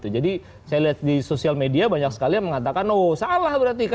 jadi saya lihat di sosial media banyak sekali yang mengatakan oh salah berarti kan